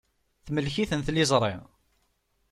Temlek-iten tliẓri.